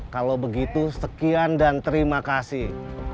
kalau begitu sekian dan terima kasih